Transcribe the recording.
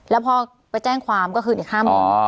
แล้วพอไปแจ้งความก็คือเนี่ยครั้งนี้อ๋อ